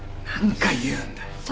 何回言うんだよ。